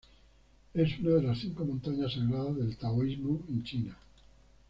Es una de las cinco montañas sagradas del taoísmo en China.